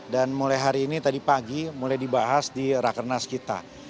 dan mulai hari ini tadi pagi mulai dibahas di rakernas kita